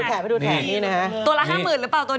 ไปดูแข่งนี้นะ